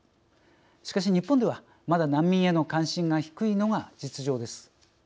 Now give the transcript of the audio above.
しかし、日本ではまだ難民への関心が低いのが実情です。